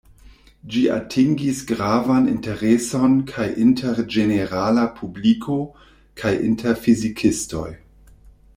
Ĝi atingis gravan intereson kaj inter ĝenerala publiko, kaj inter fizikistoj.